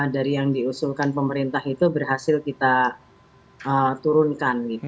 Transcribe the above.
dari yang diusulkan pemerintah itu berhasil kita turunkan